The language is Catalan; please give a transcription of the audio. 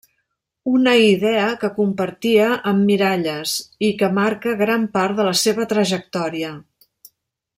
Una idea que compartia amb Miralles i que marca gran part de la seva trajectòria.